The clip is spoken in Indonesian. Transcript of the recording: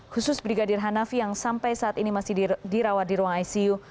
khusus brigadir hanafi yang sampai saat ini masih dirawat di ruang icu